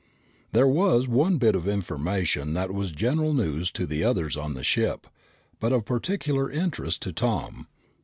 There was one bit of information that was general news to the others on the ship, but of particular interest to Tom.